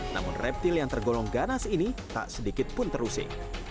namun reptil yang tergolong ganas ini tak sedikit pun terusik